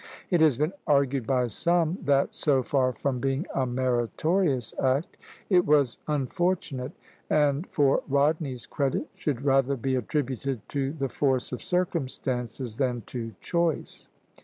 It has been argued by some that, so far from being a meritorious act, it was unfortunate, and for Rodney's credit should rather be attributed to the force of circumstances than to choice.